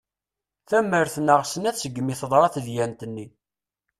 Tamert neɣ snat segmi teḍra tedyant-nni.